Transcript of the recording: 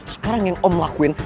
sekarang yang om lakuin